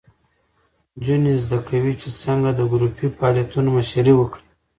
نجونې زده کوي چې څنګه د ګروپي فعالیتونو مشري وکړي.